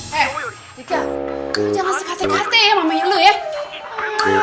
hei dika jangan sekate kate ya mamin lu ya